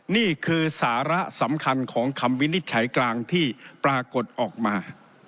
นี่คือสาระสำคัญของคำวินิจฉัยกลางที่ปรากฏออกมา